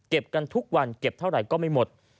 กันทุกวันเก็บเท่าไหร่ก็ไม่หมด